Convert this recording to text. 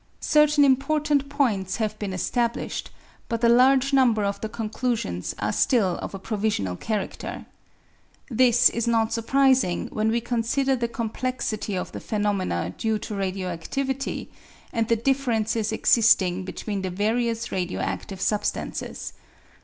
Certain important points have been established, but a large number of the conclusions are still of a provisional character. This is not surprising when we consider the complexity of the phenomena due to radio adtivity, and the differences existing between the various radio adlive substances.